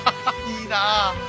いいなあ！